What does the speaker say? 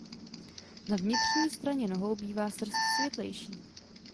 Na vnitřní straně nohou bývá srst světlejší.